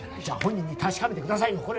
じゃあ本人に確かめてくださいよ